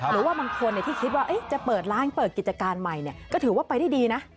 หรือว่าบางคนที่คิดว่าจะเปิดร้านเปิดกิจการใหม่ก็ถือว่าไปได้ดีนะ